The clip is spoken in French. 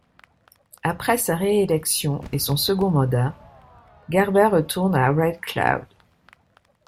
Après sa réélection et son second mandat, Garber retourne à Red Cloud.